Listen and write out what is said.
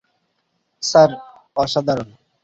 Sir, অসাধারণ।